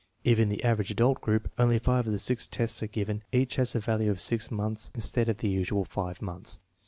If in the "aver age adult " group only five of the six tests are given, each has a value of 6 months instead of the usual 5 months.